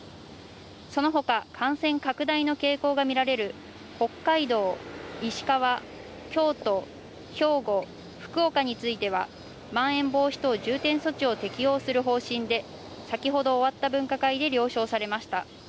その他、感染拡大の傾向が見られる北海道、石川、京都、兵庫、福岡についてはまん延防止等重点措置を適用する方針で、先ほど終わった分科会で了承されました。